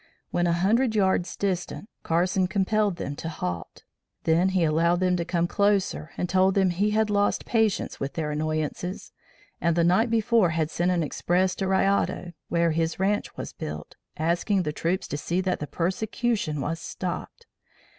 When a hundred yards distant, Carson compelled them to halt. Then he allowed them to come closer and told them he had lost patience with their annoyances, and the night before had sent an express to Rayado (where his ranche was built), asking the troops to see that the persecution was stopped.